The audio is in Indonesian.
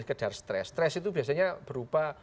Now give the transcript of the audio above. sekedar stres stres itu biasanya berupa